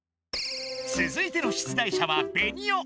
つづいての出題者はベニオ！